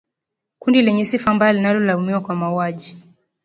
kundi lenye sifa mbaya linalolaumiwa kwa mauaji